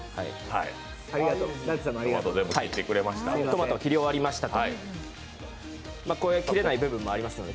トマトを切り終わりましたと切れない部分もあります。